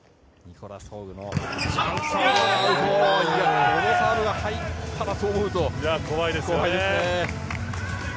このサーブが入ったらと思うと怖いですね。